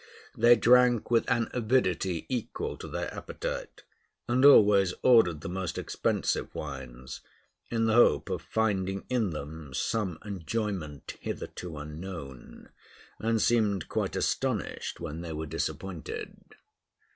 They drank with an avidity equal to their appetite, and always ordered the most expensive wines, in the hope of finding in them some enjoyment hitherto unknown, and seemed quite astonished when they were disappointed.